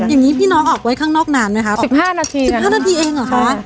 อย่างนี้พี่น้องออกไว้ข้างนอกนานไหมคะ๑๕นาที๑๕นาทีเองเหรอคะ